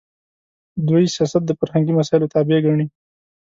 دوی سیاست د فرهنګي مسایلو تابع ګڼي.